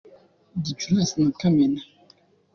Gicurasi na Kamena